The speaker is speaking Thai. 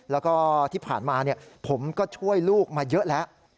แล้วก็ที่ผ่านมาผมก็ช่วยลูกมาเยอะแล้ว